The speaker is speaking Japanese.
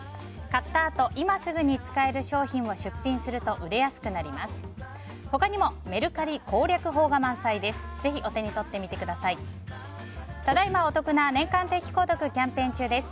買ったあと今すぐに使える商品を出品すると売れやすくなります。